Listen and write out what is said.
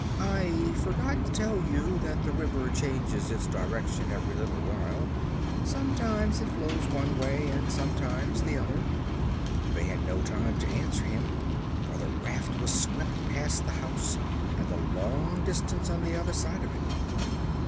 I forgot to tell you that the river changes its direction every little while. Sometimes it flows one way, and sometimes the other." They had no time to answer him, for the raft was swept past the house and a long distance on the other side of it.